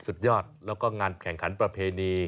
สุดยอดแล้วก็งานแข่งขันประเพณี